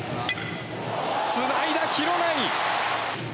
つないだ、廣内！